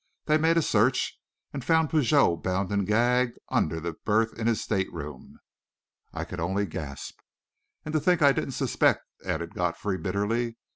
They made a search and found Pigot bound and gagged under the berth in his stateroom." I could only gasp. "And to think I didn't suspect!" added Godfrey, bitterly.